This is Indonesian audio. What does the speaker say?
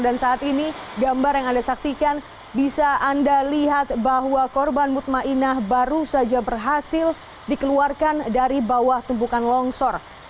dan saat ini gambar yang anda saksikan bisa anda lihat bahwa korban mutma'inah baru saja berhasil dikeluarkan dari bawah tumpukan longsor